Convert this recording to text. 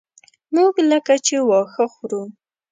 موږ لکه چې واښه خورو.